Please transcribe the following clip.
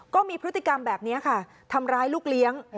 ก็มีพฤติกรรมแบบนี้ค่ะทำร้ายลูกเลี้ยง